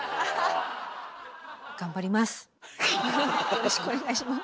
よろしくお願いします。